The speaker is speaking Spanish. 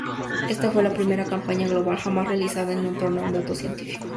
Esta fue la primera campaña global jamás realizada en torno a un dato científico.